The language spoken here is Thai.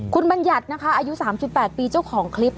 คุณบัญญัตินะคะอายุ๓๘ปีเจ้าของคลิป